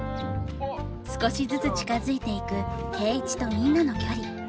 少しずつ近づいていく圭一とみんなの距離。